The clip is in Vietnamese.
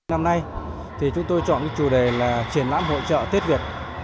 năm nay thì chúng tôi chọn chủ đề là triển lãm hội trợ tết việt